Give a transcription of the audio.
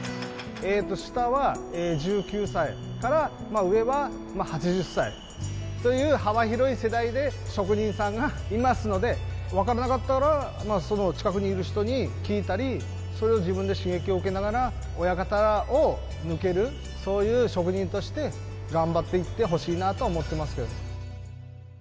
下は１９歳から上は８０歳という幅広い世代で職人さんがいますので分からなかったらその近くにいる人に聞いたりそれを自分で刺激を受けながら親方を抜けるそういう職人として頑張っていってほしいなとは思っていますけどね